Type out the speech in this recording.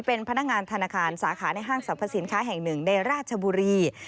เป็นพนักงานธนาคารสาขาในห้างสรรพสินค้าแห่งหนึ่งในราชบุรี